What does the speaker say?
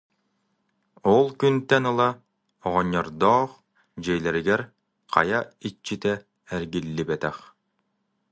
Ол күнтэн ыла оҕонньордоох дьиэлэригэр хайа иччитэ эргиллибэтэх